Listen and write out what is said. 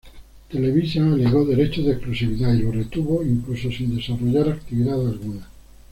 Televisa alegó derechos de exclusividad y lo retuvo, incluso sin desarrollar actividad alguna.